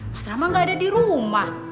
mas rama gak ada di rumah